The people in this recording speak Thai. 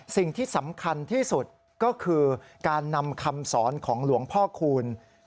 สิ่งที่สำคัญที่สุดก็คือการนำคำสอนของหลวงพ่อคูณ